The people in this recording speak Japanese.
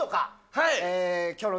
はい。